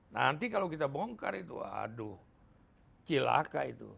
nanti kalau kita bongkar itu aduh cilaka itu